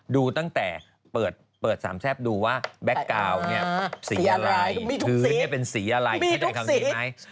ดูตั้งแต่เปิดสามแทรฟดูว่าแบ็คกราวเนี่ยสีอะไรคือเนี่ยเป็นสีอะไรมีทุกสี